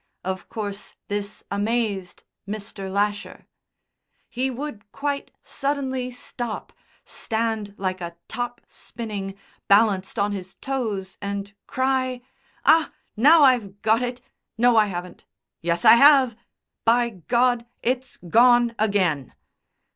Of course this amazed Mr. Lasher. He would quite suddenly stop, stand like a top spinning, balanced on his toes, and cry, "Ah! Now I've got it! No, I haven't! Yes, I have. By God, it's gone again!"